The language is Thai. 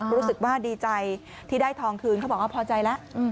รู้สึกว่าดีใจที่ได้ทองคืนเขาบอกว่าพอใจแล้ว